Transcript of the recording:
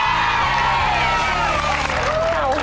ไม่เป็นไร